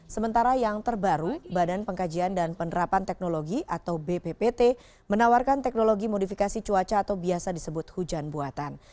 sementara yang terbaru badan pengkajian dan penerapan teknologi atau bppt menawarkan teknologi modifikasi cuaca atau biasa disebut hujan buatan